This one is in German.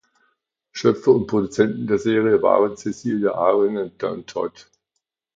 Schöpfer und Produzenten der Serie waren Cecelia Ahern und Don Todd.